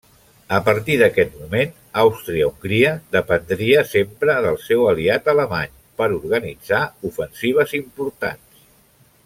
A partir d'aquest moment Àustria-Hongria dependria sempre del seu aliat alemany per organitzar ofensives importants.